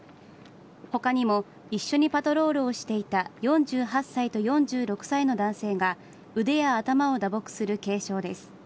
他にも一緒にパトロールをしていた４８歳と４６歳の男性が腕や頭を打撲する軽傷です。